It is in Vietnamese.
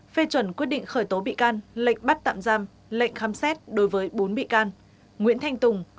phê chuẩn quyết định khởi tố bị can lệnh bắt tạm giam lệnh khám xét đối với bốn bị can nguyễn thanh tùng